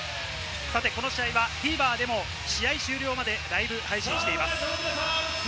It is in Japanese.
この試合はＴＶｅｒでも試合終了までライブ配信しています。